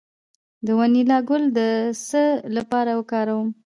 د وانیلا ګل د څه لپاره وکاروم؟